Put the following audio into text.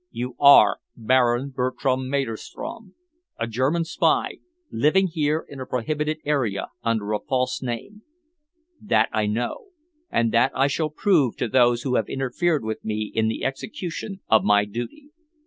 You are Baron Bertram Maderstrom, a German spy, living here in a prohibited area under a false name. That I know, and that I shall prove to those who have interfered with me in the execution of my duty.